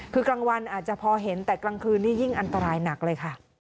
คือกลางวันอาจจะพอเห็นแต่กลางคืนนี่ยิ่งอันตรายหนักเลยค่ะ